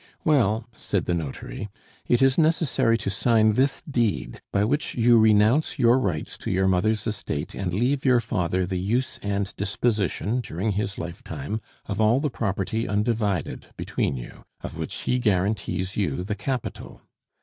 "Well," said the notary, "it is necessary to sign this deed, by which you renounce your rights to your mother's estate and leave your father the use and disposition, during his lifetime, of all the property undivided between you, of which he guarantees you the capital."